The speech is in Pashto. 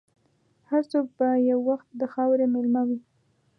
هر څوک به یو وخت د خاورې مېلمه وي.